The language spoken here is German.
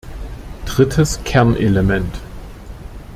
Drittes Kernelement.